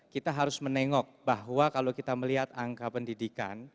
kita harus menengok bahwa kalau kita melihat angka pendidikan